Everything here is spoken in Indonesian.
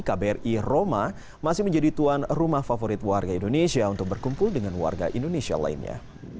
kbri roma masih menjadi tuan rumah favorit warga indonesia untuk berkumpul dengan warga indonesia lainnya